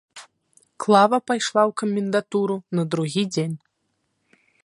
Клава пайшла ў камендатуру на другі дзень.